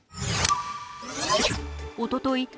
おととい